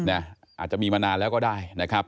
อาจจะมีมานานแล้วก็ได้นะครับ